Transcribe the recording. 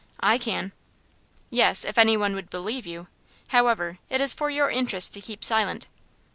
"I can." "Yes; if any one would believe you. However, it is for your interest to keep silent."